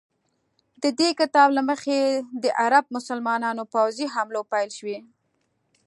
د دې کتاب له مخې د عرب مسلمانانو پوځي حملو پیل شو.